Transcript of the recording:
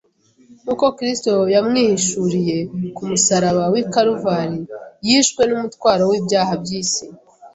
Nk’uko Kristo yamwihishuriye ku musaraba w’i Karuvari yishwe n’umutwaro w’ibyaha by’isi